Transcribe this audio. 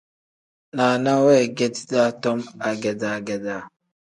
Naana weegedi daa tom agedaa-gedaa.